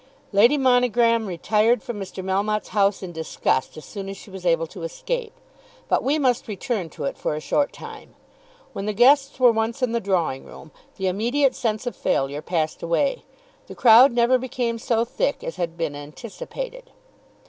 Lady Monogram retired from Mr. Melmotte's house in disgust as soon as she was able to escape; but we must return to it for a short time. When the guests were once in the drawing room the immediate sense of failure passed away. The crowd never became so thick as had been anticipated.